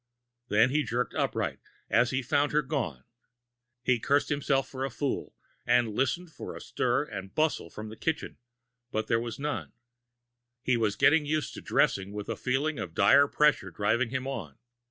Then he jerked upright, as he found her gone. He cursed himself for a fool, and listened for a stir and bustle from the kitchen, but there was none. He was getting used to dressing with a feeling of dire pressure driving him on.